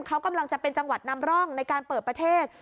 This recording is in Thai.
เขากำลังจะเป็นจังหวัดนำร่องในการเปิดประเทศ